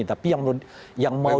tapi yang mau dijelaskan adalah